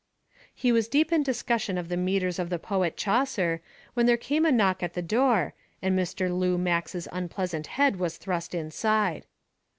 He was deep in a discussion of the meters of the poet Chaucer when there came a knock at the door, and Mr. Lou Max's unpleasant head was thrust inside.